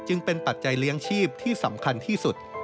จึงเป็นปัจจัยเลี้ยงชีพที่สำคัญที่สุด